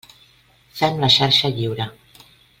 Fem la xarxa lliure.